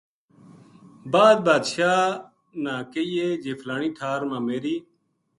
بعد بادشاہ با کہنیے جی فلانی ٹھار ما میری